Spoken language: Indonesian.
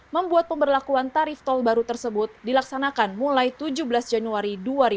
membuat pemberlakuan tarif tol baru tersebut dilaksanakan mulai tujuh belas januari dua ribu dua puluh